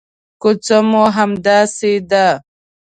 کوڅه مو همداسې ده.